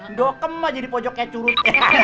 ndok emah jadi pojoknya curut